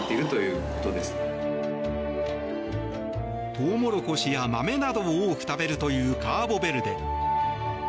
トウモロコシや豆などを多く食べるというカーボベルデ。